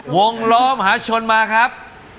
วงล้อมหาชนมาครับ